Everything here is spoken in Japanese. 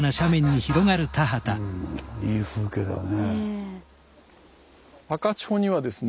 うんいい風景だね。